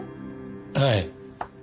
はい。